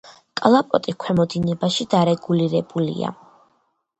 კალაპოტი ქვემო დინებაში დარეგულირებულია.